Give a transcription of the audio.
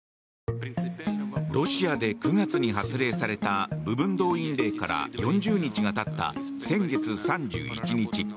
ロシアで９月に発令された部分動員令から４０日がたった先月３１日。